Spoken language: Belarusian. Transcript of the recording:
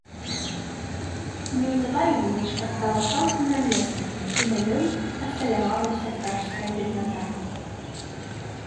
Неўзабаве вулачка стала цалкам рамеснай, і на ёй асталявалася пражская бедната.